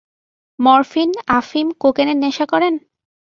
Morphine, আফিম, কোকেনের নেশা করেন?